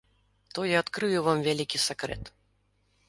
То я адкрыю вам вялікі сакрэт.